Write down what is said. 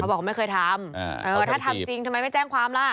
บอกเขาไม่เคยทำถ้าทำจริงทำไมไม่แจ้งความล่ะ